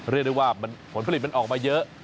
เรียกได้ว่าผลผลิตมันออกมาเยอะ